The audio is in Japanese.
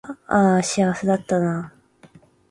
あーあ幸せだったなー